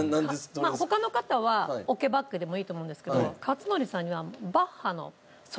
他の方はオケバックでもいいと思うんですけど克典さんにはオケなし？